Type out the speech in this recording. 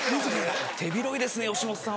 手広いですね吉本さん。